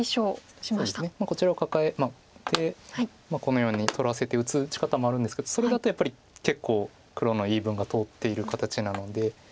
こちらをカカえてこのように取らせて打つ打ち方もあるんですけどそれだとやっぱり結構黒の言い分が通っている形なので。